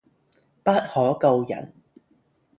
不可告人